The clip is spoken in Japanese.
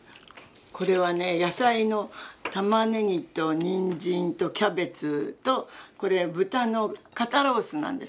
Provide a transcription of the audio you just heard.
「これはね野菜のタマネギとニンジンとキャベツとこれ豚の肩ロースなんです。